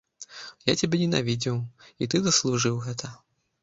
Я цябе ненавідзеў, і ты заслужыў гэта.